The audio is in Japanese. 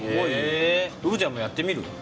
うぶちゃんもやってみる？